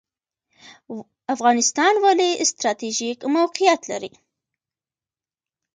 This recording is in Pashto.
افغانستان ولې ستراتیژیک موقعیت لري؟